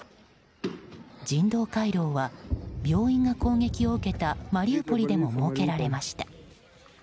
人道回廊は、病院が攻撃を受けたマリウポリでも設けられました。